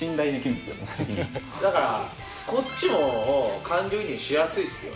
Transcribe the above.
だからこっちも感情移入しやすいですよね。